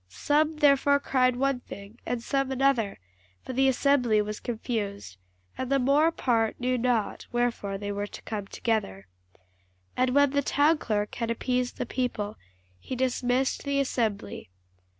Some therefore cried one thing, and some another: for the assembly was confused; and the more part knew not wherefore they were come together. And when the townclerk had appeased the people, he dismissed the assembly.